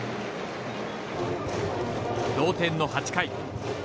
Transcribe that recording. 同点の８回。